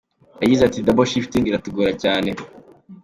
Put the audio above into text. Yagize ati “Double shifting iratugora cyane.